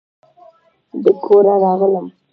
د کوره راغلم